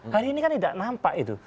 hari ini kan tidak nampak itu